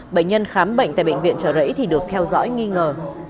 bệnh nhân khám bệnh tại bệnh viện trợ rẫy thì được theo dõi nghi ngờ